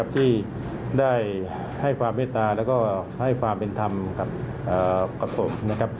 ที่ได้ให้ความเมตตาแล้วก็ให้ความเป็นธรรมกับผมนะครับ